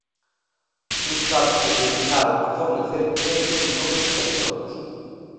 Uns cartos que se destinaron a fornecer créditos noutros territorios.